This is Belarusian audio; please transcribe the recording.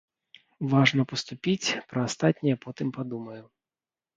Важна паступіць, пра астатняе потым падумаю.